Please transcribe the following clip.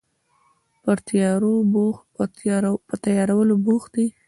پر تیارولو بوخت دي